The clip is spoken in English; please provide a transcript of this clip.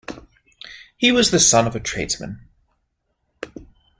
He was the son of a tradesman.